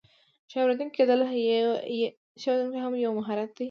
ښه اوریدونکی کیدل هم یو مهم مهارت دی.